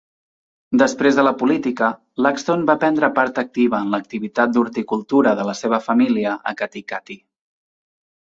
Després de la política, Luxton va prendre part activa en l'activitat d'horticultura de la seva família a Katikati.